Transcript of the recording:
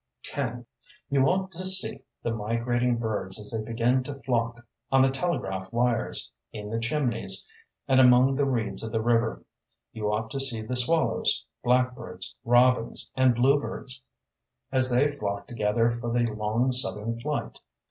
X You ought to see the migrating birds as they begin to flock on the telegraph wires, in the chimneys, and among the reeds of the river. You ought to see the swallows, blackbirds, robins, and bluebirds, as they flock together for the long southern flight.